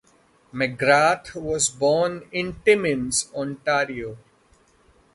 McGrath was born in Timmins, Ontario.